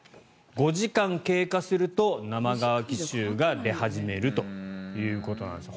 ５時間経過すると生乾き臭が出始めるということなんです。